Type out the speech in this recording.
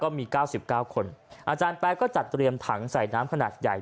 มี๙๙คนอาจารย์แป๊ก็จัดเตรียมถังใส่น้ำขนาดใหญ่